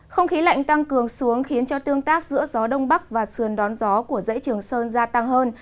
không khí lạnh tăng cường xuống khiến cho tương tác giữa gió đông bắc và sườn đón gió của dãy trường sơn gia tăng hơn